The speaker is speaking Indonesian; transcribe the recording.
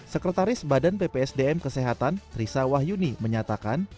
sekretaris badan bpsdm kesehatan risa wahyuni menyatakan